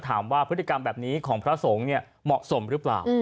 ถามว่าพฤติกรรมแบบนี้ของพระสงฆ์เนี่ยเหมาะสมหรือเปล่า